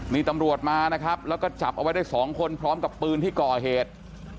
นี่ตำรวจมานะครับแล้วก็จับเอาไว้ได้สองคนพร้อมกับปืนที่ก่อเหตุ